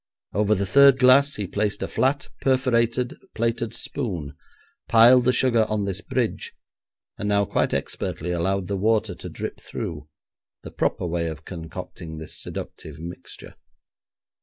Over the third glass he placed a flat perforated plated spoon, piled the sugar on this bridge, and now quite expertly allowed the water to drip through, the proper way of concocting this seductive mixture.